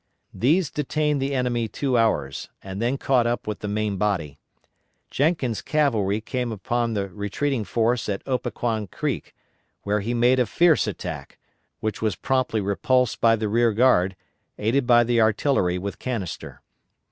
These detained the enemy two hours, and then caught up with the main body. Jenkins' cavalry came upon the retreating force at Opequan Creek, where he made a fierce attack, which was promptly repulsed by the rear guard, aided by the artillery with canister.